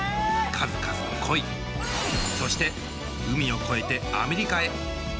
数々の恋そして海を越えてアメリカへ。